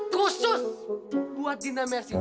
khusus buat dinda mercy